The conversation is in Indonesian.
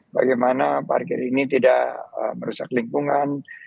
bagaimana parkir ini tidak merusak lingkungan